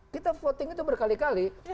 kita voting itu berkali kali